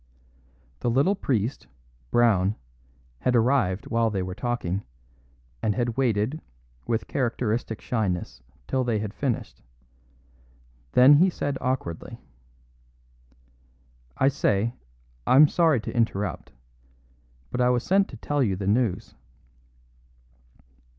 The little priest, Brown, had arrived while they were talking, and had waited, with characteristic shyness, till they had finished. Then he said awkwardly: "I say, I'm sorry to interrupt. But I was sent to tell you the news!"